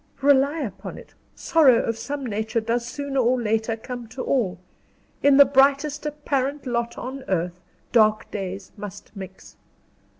"Rely upon it, sorrow of some nature does sooner or later come to all. In the brightest apparent lot on earth, dark days must mix.